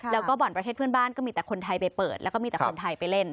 แล้วก็บ่อนประเทศเพื่อนบ้านก็มีแต่คนไทยไปเปิดแล้วก็มีแต่คนไทยไปเล่น